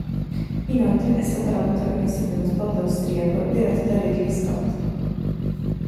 Inoltre è stata la protagonista di uno spot austriaco diretto da Ridley Scott.